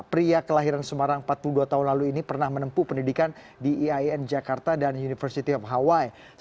pria kelahiran semarang empat puluh dua tahun lalu ini pernah menempuh pendidikan di iain jakarta dan university of hawaii